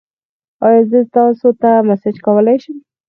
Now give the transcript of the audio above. ایا زه تاسو ته میسج کولی شم؟